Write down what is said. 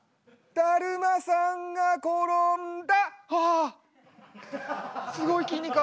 だるまさんが転んだ！